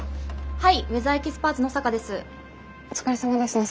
はい。